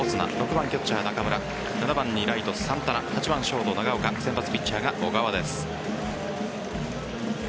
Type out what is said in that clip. ６番キャッチャー・中村７番にライト・サンタナ８番ショート・長岡先発ピッチャーが小川です。